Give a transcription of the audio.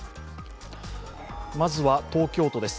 まずは東京都です。